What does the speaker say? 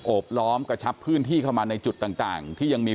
โอบล้อมกระชับพื้นที่